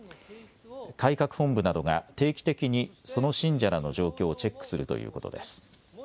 改革本部などが定期的にその信者らの状況をチェックするということです。